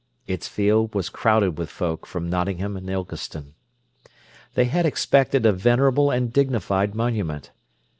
Its field was crowded with folk from Nottingham and Ilkeston. They had expected a venerable and dignified monument.